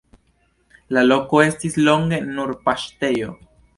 La loko estis longe nur paŝtejo.